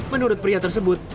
menurut pria tersebut